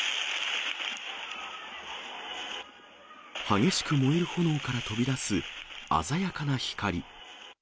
激しく燃える炎から飛び出す鮮やかな光。